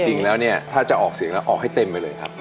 จริงแล้วเนี่ยถ้าจะออกเสียงแล้วออกให้เต็มไปเลยครับ